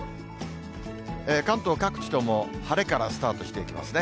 関東各地とも晴れからスタートしていきますね。